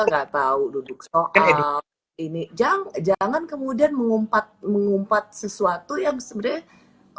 nggak tahu duduk soal ini jangan jangan kemudian mengumpat mengumpat sesuatu yang sebenarnya